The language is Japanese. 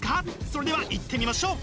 それではいってみましょう！